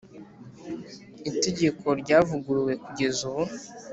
Itegeko ryavuguruwe kugeza ubu